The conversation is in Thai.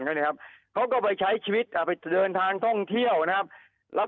เขาก็ไปใช้ชีวิตไปเดินทางท่องเที่ยวนะครับ